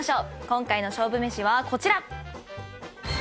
今回の勝負めしはこちら。